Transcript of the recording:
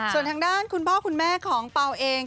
ส่วนทางด้านคุณพ่อคุณแม่ของเปล่าเอง